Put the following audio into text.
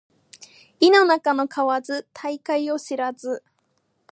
井の中の蛙大海を知らず